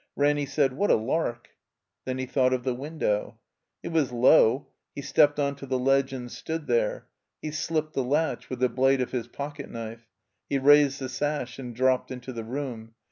Ranny said, "What a lark!" Then he thought of the window. It was low. He stepped on to the ledge, and stood there. He slipped the latch with the blade of his pocket knife. He raised the sash and dropped into the room.